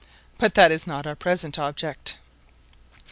But that is not our present object."